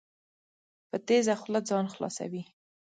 په تېزه خوله ځان خلاصوي.